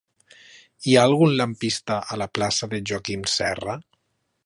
Hi ha algun lampista a la plaça de Joaquim Serra?